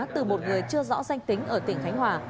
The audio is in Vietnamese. từ một người chưa rõ danh tính ở tp hcm